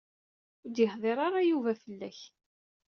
Ur d-yehdir ara Yuba fell-ak.